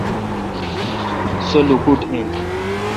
سو لوکوٹ این۔